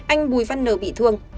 anh bùi văn nờ bị thương